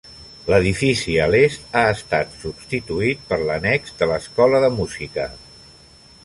L'edifici a l'est ha estat substituït per l'annex de l'escola de música.